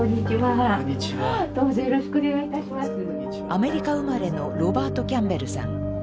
アメリカ生まれのロバート・キャンベルさん。